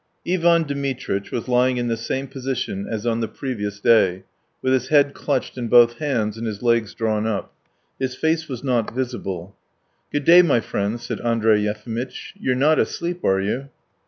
X Ivan Dmitritch was lying in the same position as on the previous day, with his head clutched in both hands and his legs drawn up. His face was not visible. "Good day, my friend," said Andrey Yefimitch. "You are not asleep, are you?"